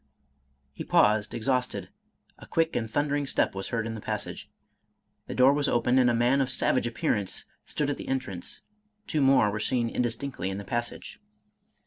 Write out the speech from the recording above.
He paused, exhausted, — a quick and thundering step was 189 Irish Mystery Stories heard in the passage. The door was opened, and a man of savage appearance stood at the entrance, — ^two more were seen indistinctly in the passage.